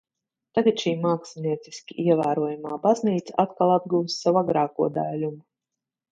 Tagad šī mākslinieciski ievērojamā baznīca atkal atguvusi savu agrāko daiļumu.